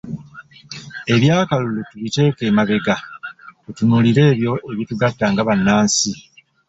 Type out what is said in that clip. Eby'akalulu tubiteeke emabega tutunuulire ebyo ebitugatta nga bannansi.